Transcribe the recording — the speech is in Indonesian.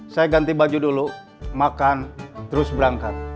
saya ganti baju dulu makan terus berangkat